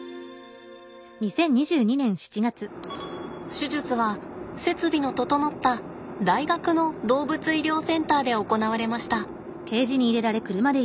手術は設備の整った大学の動物医療センターで行われました。